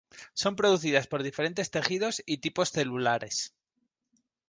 Son producidas por diferentes tejidos y tipos celulares.